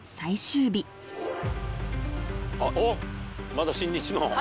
まだ新日の。